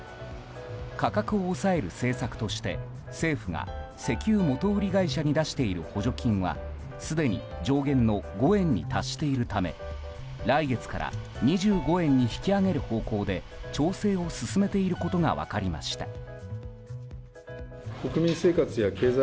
価格を抑える政策として政府が石油元売り会社に出している補助金はすでに上限の５円に達しているため来月から２５円に引き上げる方向で調整を進めていることが分かりました。